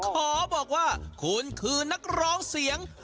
ขอบอกว่าคุณคือนักร้องเสียง